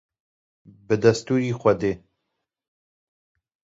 Bi destûrî Xwedê.